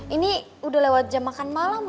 ini udah lewat jam makan malam